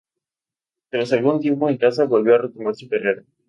Tras algún tiempo en casa, volvió a retomar su carrera.